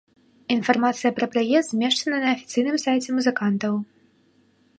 Інфармацыя пра прыезд змешчана на афіцыйным сайце музыкантаў.